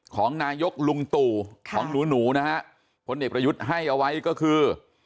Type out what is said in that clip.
ของนายกลุงตู่ของหนูหนูนะฮะพลเอกประยุทธ์ให้เอาไว้ก็คือ